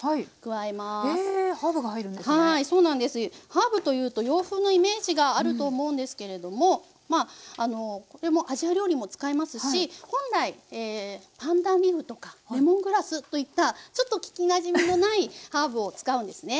ハーブというと洋風のイメージがあると思うんですけれどもまあこれもアジア料理も使いますし本来パンダンリーフとかレモングラスといったちょっと聞きなじみのないハーブを使うんですね。